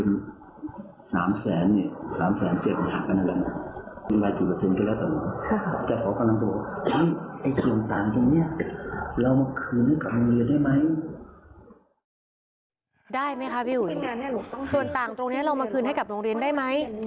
ได้ไหมคะพี่อุ๋ยส่วนต่างตรงนี้เรามาคืนให้กับโรงเรียนได้ไหม